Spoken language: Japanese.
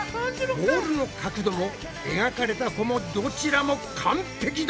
ボールの角度も描かれた弧もどちらも完璧だ！